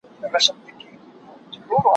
زه به سبا د ليکلو تمرين وکړم!.